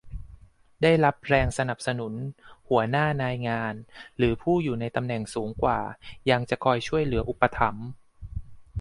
ได้รับแรงสนับสนุน หัวหน้านายงานหรือผู้อยู่ในตำแหน่งสูงกว่ายังจะคอยช่วยเหลืออุปถัมภ์